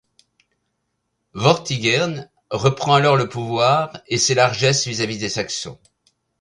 Vortigern reprend alors le pouvoir et ses largesses vis-à-vis des Saxons.